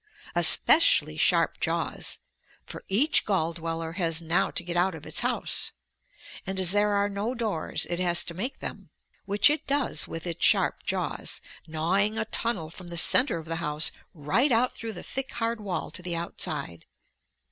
Especially sharp jaws. For each gall dweller has now to get out of its house. And as there are no doors, it has to make them. Which it does with its sharp jaws, gnawing a tunnel from the center of the house right out through the thick hard wall to the outside.